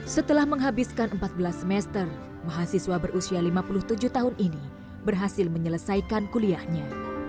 setelah menghabiskan empat belas semester mahasiswa berusia lima puluh tujuh tahun ini berhasil menyelesaikan kuliahnya